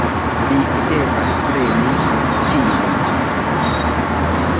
Vi devas preni decidon.